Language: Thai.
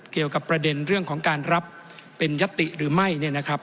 เกี่ยวกับประเด็นเรื่องของการรับเป็นยติหรือไม่